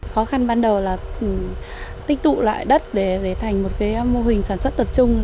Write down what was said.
khó khăn ban đầu là tích tụ lại đất để thành một mô hình sản xuất tập trung